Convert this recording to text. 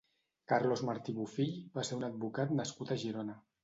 Carlos Martí Bufill va ser un advocat nascut a Girona.